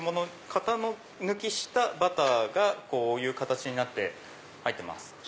型抜きしたバターがこういう形になって入ってます。